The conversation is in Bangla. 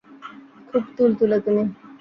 খুব তুলতুলে তুমি!